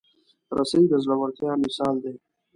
رسۍ د زړورتیا مثال دی.